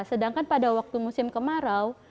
sedangkan pada musim kemarau